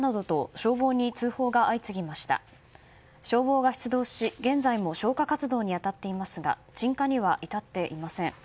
消防が出動し現在も消火活動に当たっていますが鎮火には至っていません。